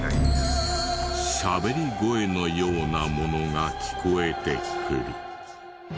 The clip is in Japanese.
しゃべり声のようなものが聞こえてくる。